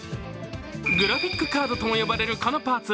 グラフィックカードとも呼ばれるこのパーツ。